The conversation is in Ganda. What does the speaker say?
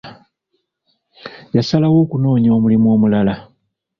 Yasalawo okunoonya omulimu omulala.